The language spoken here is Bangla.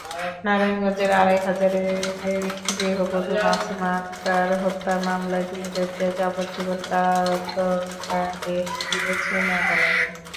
নারায়ণগঞ্জের আড়াইহাজারে গৃহবধূ মাসুমা আক্তার হত্যা মামলায় তিনজনকে যাবজ্জীবন কারাদণ্ডাদেশ দিয়েছেন আদালত।